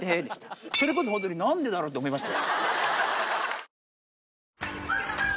それこそ本当になんでだろう？と思いましたよ。